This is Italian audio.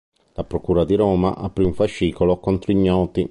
La Procura di Roma aprì un fascicolo contro ignoti.